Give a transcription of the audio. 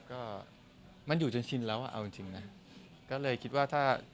ก็มันอยู่จนชินแล้วอ่ะเอาจริงนะ